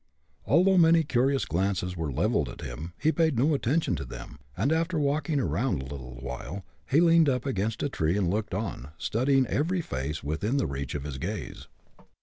Although many curious glances were leveled at him, he paid no attention to them, and after walking around awhile, he leaned up against a tree and looked on, studying every face within the reach of his gaze.